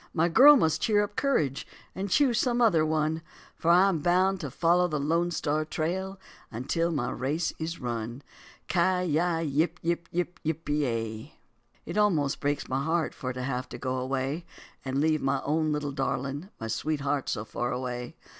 My girl must cheer up courage and choose some other one, For I am bound to follow the Lone Star Trail until my race is run. Ci yi yip yip yip pe ya. It almost breaks my heart for to have to go away, And leave my own little darling, my sweetheart so far away.